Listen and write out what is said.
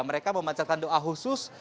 mereka memanjakan doa khusus